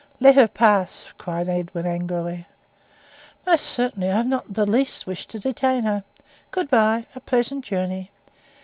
"Let her pass," cried Edwin, angrily. "Most certainly. I have not the least wish to detain her. Good bye! A pleasant journey!"